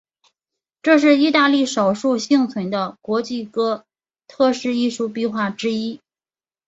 这是意大利少数幸存的国际哥特式艺术壁画之一。